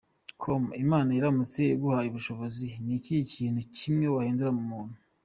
com : Imana iramutse iguhaye ubushobozi ni ikihe kintu kimwe wahindura ku muntu ?.